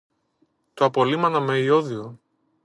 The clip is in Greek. Το απολύμανα με ιώδιο